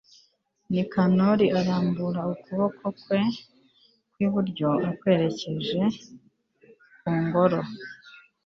nikanori arambura ukuboko kwe kw'iburyo akwerekeje ku ngoro